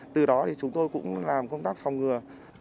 từ đó thì chúng tôi cũng làm công tác phòng ngừa